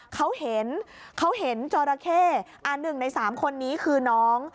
เขาเห็นเขาเห็นจอระเข้อันหนึ่งในสามคนนี้คือน้อง